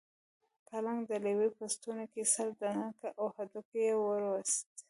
کلنګ د لیوه په ستوني کې سر دننه کړ او هډوکی یې وویست.